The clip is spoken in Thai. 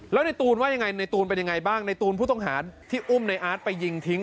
แล้วในตูนว่ายังไงในตูนเป็นยังไงบ้างในตูนผู้ต้องหาที่อุ้มในอาร์ตไปยิงทิ้ง